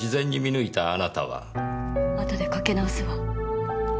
あとでかけ直すわ。